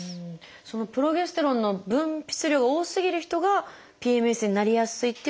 そのプロゲステロンの分泌量が多すぎる人がＰＭＳになりやすいっていうわけではないんですか？